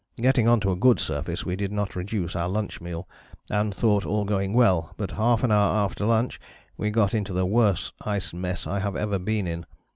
Getting on to a good surface we did not reduce our lunch meal, and thought all going well, but half an hour after lunch we got into the worst ice mess I have ever been in.